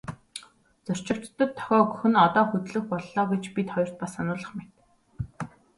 Зорчигчдод дохио өгөх нь одоо хөдлөх боллоо гэж бид хоёрт ч бас сануулах мэт.